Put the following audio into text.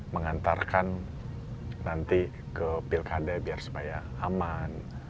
mengantarkan nanti ke pilkada biar supaya aman